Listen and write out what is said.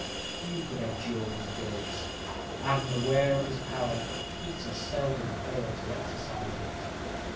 Few could endure his gaze; and, aware of his power, Peter seldom failed to exercise it.